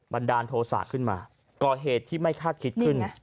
บันดารโทรศาสตร์ขึ้นมาก็เหตุที่ไม่คาดคิดขึ้น